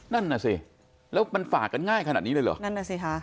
นั่นน่ะสิแล้วมันฝากกันง่ายขนาดนี้เลยเหรอนั่นน่ะสิค่ะ